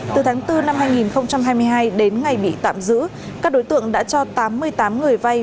từ tháng bốn năm hai nghìn hai mươi hai đến ngày bị tạm giữ các đối tượng đã cho tám mươi tám người vay